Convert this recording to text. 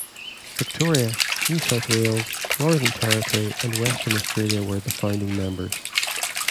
Victoria, New South Wales, Northern Territory and Western Australia were the founding members.